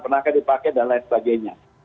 pernahkah dipakai dan lain sebagainya